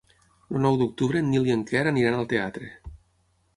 El nou d'octubre en Nil i en Quer aniran al teatre.